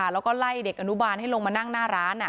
แล้วก็ไล่เด็กอนุบร้านให้มาด้านล่างนะ